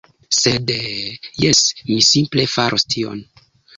Sed... jes, mi simple faros tion.